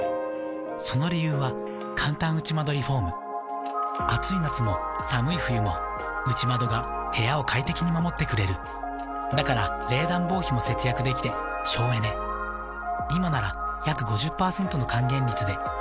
その理由はかんたん内窓リフォーム暑い夏も寒い冬も内窓が部屋を快適に守ってくれるだから冷暖房費も節約できて省エネ「内窓プラマードＵ」ＹＫＫＡＰ